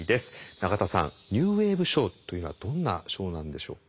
永田さんニューウェーブ賞というのはどんな賞なんでしょうか？